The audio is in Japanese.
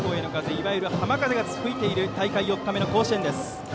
いわゆる浜風が吹いている大会４日目の甲子園です。